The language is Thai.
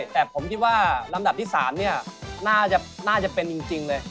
แต่ผมคิดว่าลำดับที่๓เนี่ยน่าจะเป็นจริงเลย